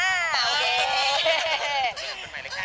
อ่าโอเค